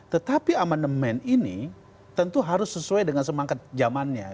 tetapi amandemen ini tentu harus sesuai dengan semangat zamannya